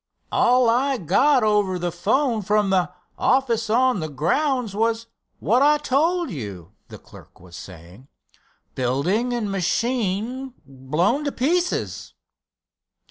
"All I got over the 'phone from the office on the grounds was what I told you," the clerk was saying—"building and machine blown to pieces."